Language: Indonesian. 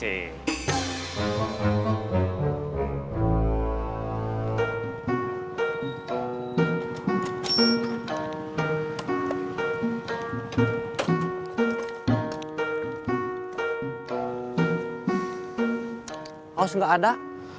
aus gak ada